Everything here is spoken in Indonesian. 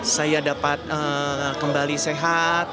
saya dapat kembali sehat